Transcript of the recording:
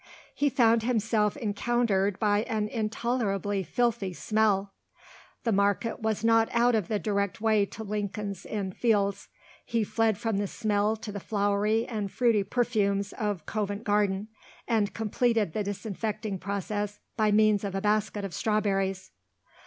He found himself encountered by an intolerably filthy smell. The market was not out of the direct way to Lincoln's Inn Fields. He fled from the smell to the flowery and fruity perfumes of Covent Garden, and completed the disinfecting process by means of a basket of strawberries.